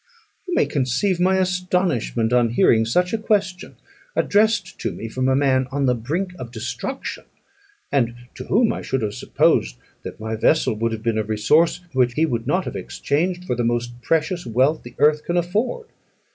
You may conceive my astonishment on hearing such a question addressed to me from a man on the brink of destruction, and to whom I should have supposed that my vessel would have been a resource which he would not have exchanged for the most precious wealth the earth can afford.